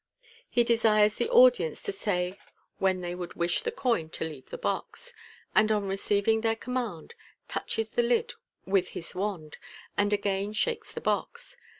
He desires the audience to say when they would wish the coin to leave the box, and on receiv ing their commands, touches the lid with his wand, and again shakes the box.